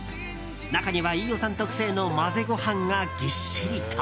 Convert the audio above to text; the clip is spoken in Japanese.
中には飯尾さん特製の混ぜご飯がぎっしりと。